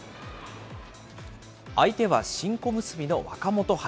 相手は新小結の若元春。